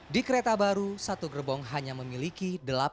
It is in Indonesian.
di kereta baru satu gerbong hanya memiliki delapan